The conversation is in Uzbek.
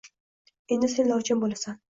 Endi sen lochin bo‘lasan